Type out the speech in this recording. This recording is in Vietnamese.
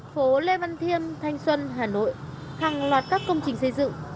phố lê văn thiêm thanh xuân hà nội hàng loạt các công trình xây dựng